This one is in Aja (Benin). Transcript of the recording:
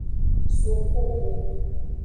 Sukubu.